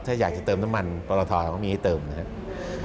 ถ้าอยากจะเติมน้ำมันปรทต้องมีให้เติมนะครับ